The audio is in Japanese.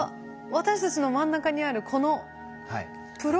私たちの真ん中にあるこのプロペラみたいな。